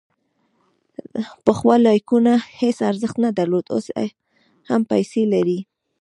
پخوا لایکونه هیڅ ارزښت نه درلود، اوس هم پیسې لري.